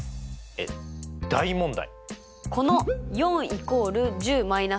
えっ大問題？